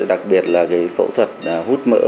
đặc biệt là phẫu thuật hút mỡ